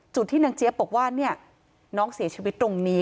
ที่นางเจี๊ยบบอกว่าเนี่ยน้องเสียชีวิตตรงนี้